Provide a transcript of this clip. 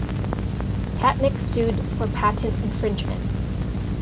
Catnic sued for patent infringement.